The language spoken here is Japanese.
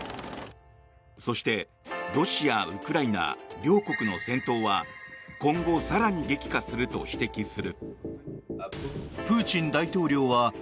そしてロシア、ウクライナ両国の戦闘は今後、更に激化すると指摘する。